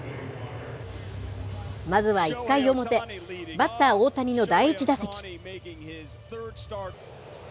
まずは１回表、バッター、大谷の第１打席。